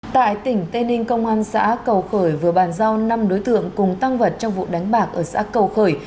tại tỉnh tây ninh công an xã cầu khởi vừa bàn giao năm đối tượng cùng tăng vật trong vụ đánh bạc ở xã cầu khởi